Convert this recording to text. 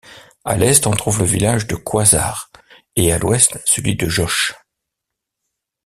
À l'est on trouve le village de Coizard, et à l'ouest celui de Joches.